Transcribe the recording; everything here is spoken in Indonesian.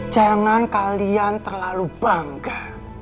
jangan kalian terlalu bangga